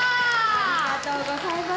ありがとうございます。